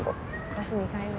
私２回目。